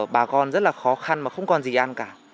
bà con rất là khó khăn mà không còn gì ăn cả